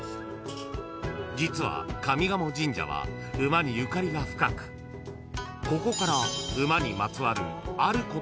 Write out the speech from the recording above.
［実は上賀茂神社は馬にゆかりが深くここから］